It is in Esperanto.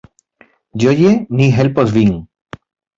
Ĝoje ni helpos vin.